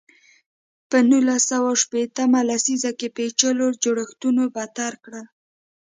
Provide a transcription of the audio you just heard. په نولس سوه شپېته مه لسیزه کې پېچلو جوړښتونو بدتر کړل.